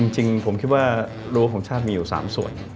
จริงผมคิดว่ารั้วของชาติมีอยู่๓ส่วน